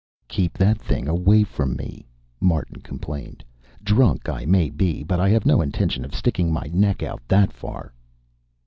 "Keep that thing away from me," Martin complained. "Drunk I may be, but I have no intention of sticking my neck out that far."